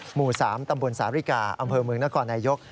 หมู่๓ตำบลสาริกาอำเภอเมืองนครนายก